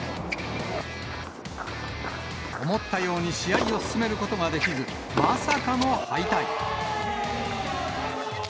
思ったように試合を進めることができず、まさかの敗退。